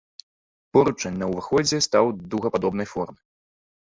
Поручань на ўваходзе стаў дугападобнай формы.